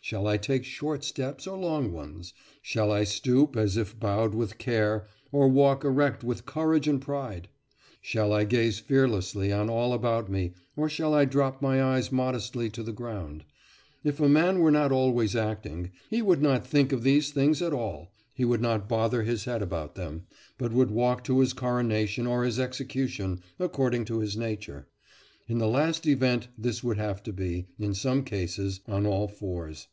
shall I take short steps or long ones? shall I stoop as if bowed with care, or walk erect with courage and pride? shall I gaze fearlessly on all about me, or shall I drop my eyes modestly to the ground? If man were not always acting, he would not think of these things at all, he would not bother his head about them, but would walk to his coronation or his execution according to his nature. In the last event this would have to be, in some cases, on all fours.